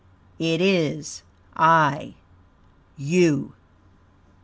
It is I YOU!